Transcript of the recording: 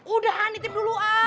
udah nitip dulu